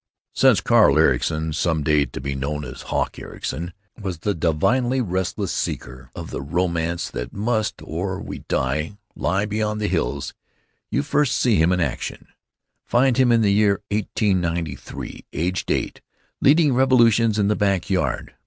Since Carl Ericson (some day to be known as "Hawk" Ericson) was the divinely restless seeker of the romance that must—or we die!—lie beyond the hills, you first see him in action; find him in the year 1893, aged eight, leading revolutions in the back yard.